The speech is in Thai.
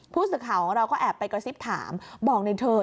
ผู้สื่อข่าวของเราก็แอบไปกระซิบถามบอกในเถิด